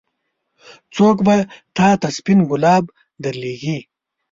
څوک به تا ته سپين ګلاب درلېږي.